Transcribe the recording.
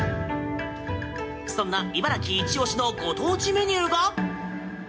そんな茨城イチ押しのご当地メニューが。